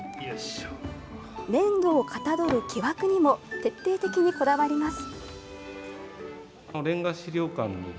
粘土をかたどる木枠にも徹底的にこだわります。